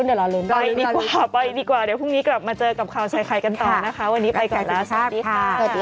เดี๋ยวเราไปดีกว่าไปดีกว่าเดี๋ยวพรุ่งนี้กลับมาเจอกับข่าวใส่ไข่กันต่อนะคะวันนี้ไปก่อนแล้วสวัสดีค่ะ